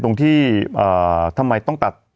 ตรงที่ทำไมต้องตัด